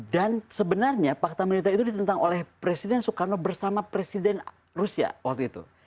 dan sebenarnya fakta militer itu ditentang oleh presiden soekarno bersama presiden rusia waktu itu